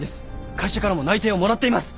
会社からも内定をもらっています。